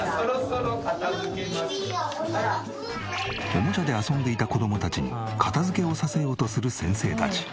おもちゃで遊んでいた子供たちに片付けをさせようとする先生たち。